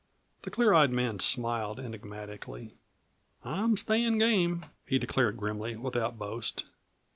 The clear eyed man smiled enigmatically. "I'm stayin' game!" he declared grimly, without boast.